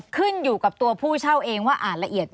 ขึ้นอยู่กับตัวผู้เช่าเองว่าอ่านละเอียด